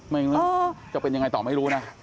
ไม่รู้จะเป็นอย่างไรตอบให้รู้นะ